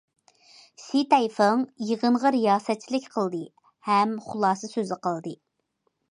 شى تەيفېڭ يىغىنغا رىياسەتچىلىك قىلدى ھەم خۇلاسە سۆزى قىلدى.